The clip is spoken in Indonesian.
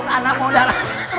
anak yang modar